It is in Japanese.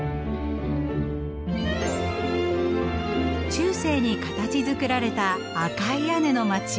中世に形づくられた赤い屋根の街。